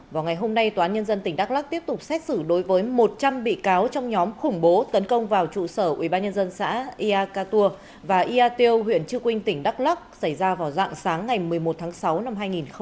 vào ngày hôm nay tòa án nhân dân tỉnh đắk lắc tiếp tục xét xử đối với một trăm linh bị cáo trong nhóm khủng bố tấn công vào trụ sở ubnd xã ia cà tùa và ia tiêu huyện trư quynh tỉnh đắk lắc xảy ra vào dạng sáng ngày một mươi một tháng sáu năm hai nghìn một mươi chín